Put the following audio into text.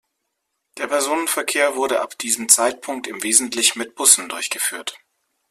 Der Personenverkehr wurde ab diesem Zeitpunkt im Wesentlichen mit Bussen durchgeführt.